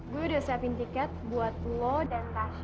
gue udah siapin tiket buat lo dan tahu